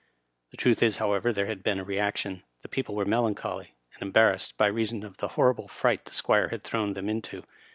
The truth is, however, there had been a reaction — the people were melancholy, and embarrassed, by reason of the horrible fright the Squire had thrown them into.